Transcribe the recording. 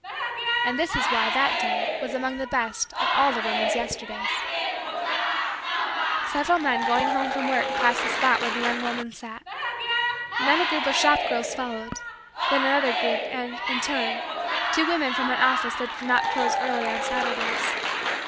And this is why that day was among the best of all the woman's Yesterdays. Several men going home from work passed the spot where the young woman sat. Then a group of shop girls followed; then another group and, in turn, two women from an office that did not close early on Saturdays.